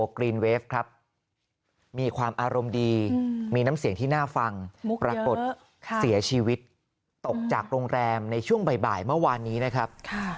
มีความอารมณ์ดีมีน้ำเสียงที่น่าฟังปรากฏเสียชีวิตตกจากโรงแรมในช่วงบ่ายเมื่อวานนี้นะครับ